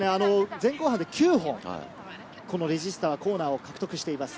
前後半９本、レジスタはコーナーを獲得しています。